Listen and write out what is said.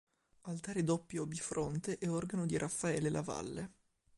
Altare doppio o bifronte e organo di Raffaele la Valle.